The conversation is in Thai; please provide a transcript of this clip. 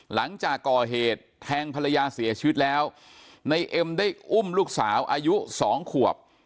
หลังจากก่อเหตุแทงภรรยาเสียชีวิตแล้วในเอ็มได้อุ้มลูกสาวอายุสองขวบ